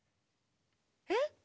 えっ？